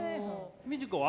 ミチコは？